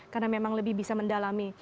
karena memang lebih bisa mendalami